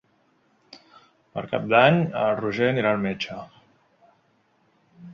Per Cap d'Any en Roger irà al metge.